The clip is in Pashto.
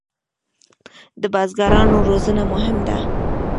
د بزګرانو روزنه مهمه ده